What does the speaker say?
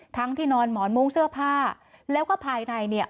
ที่นอนหมอนมุ้งเสื้อผ้าแล้วก็ภายในเนี่ย